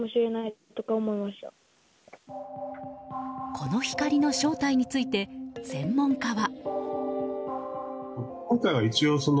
この光の正体について専門家は。